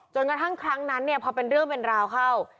กระทั่งครั้งนั้นเนี่ยพอเป็นเรื่องเป็นราวเข้า